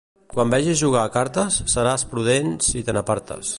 Quan vegis jugar a cartes, seràs prudent si te n'apartes.